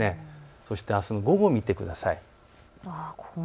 そしてあすの午後を見てください。